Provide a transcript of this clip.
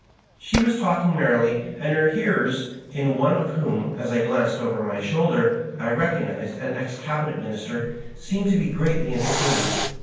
She was talking merrily, and her hearers, in one of whom, as I glanced over my shoulder, I recognized an ex Cabinet Minister, seemed to be greatly entertained.